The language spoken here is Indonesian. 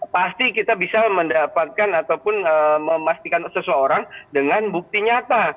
pasti kita bisa mendapatkan ataupun memastikan seseorang dengan bukti nyata